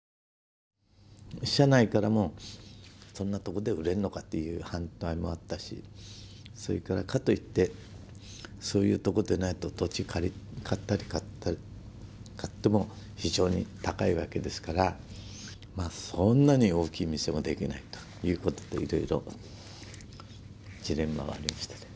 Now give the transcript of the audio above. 社内からも「そんな所で売れんのか」という反対もあったしそれからかといってそういうとこでないと土地借りたり買っても非常に高いわけですからそんなに大きい店もできないということでいろいろジレンマはありましたね。